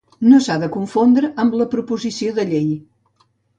No s'ha de confondre amb la proposició de llei.